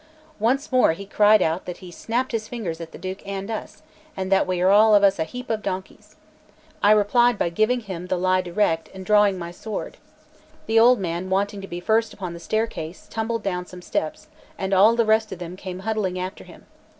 Once more he cried out that he snapped his fingers at the Duke and us, and that we were all of us a heap of donkeys. I replied by giving him the lie direct and drawing my sword. The old man wanting to be first upon the staircase, tumbled down some steps, and all the rest of them came huddling after him.